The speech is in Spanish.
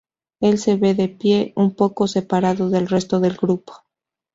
Él se ve de pie, un poco separado del resto del grupo.